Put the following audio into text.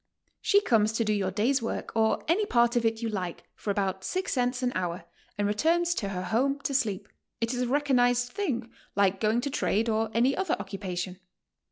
She comes to do your day's work, or any part of it you like, for about six cents an hour, and re turns to her home to sleep. It is a recognized thing, like going to trade, or any other occupation.